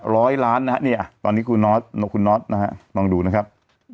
ร้อยล้านนะฮะเนี่ยตอนนี้คุณน็อตนะฮะลองดูนะครับ